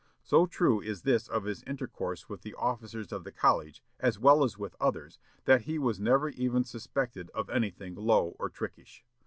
So true is this of his intercourse with the officers of the college, as well as with others, that he was never even suspected of anything low or trickish....